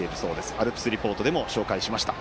アルプスリポートでも紹介しました。